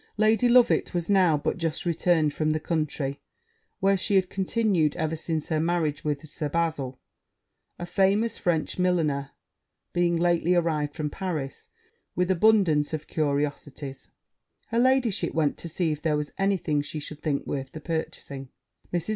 Lady Loveit was now but just returned from the country, where she had continued ever since her marriage to Sir Bazil. A famous French milliner being lately arrived from Paris with abundance of curiosities, her ladyship went to see if there was any thing she should think worth the purchasing. Mrs.